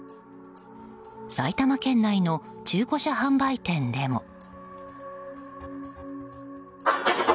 埼玉県内の中古車販売店でも。